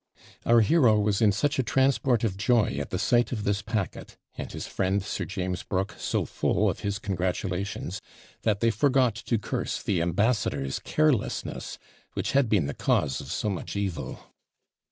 Our hero was in such a transport of joy at the sight of this packet, and his friend Sir James Brooke so full of his congratulations, that they forgot to curse the ambassador's carelessness, which had been the cause of so much evil.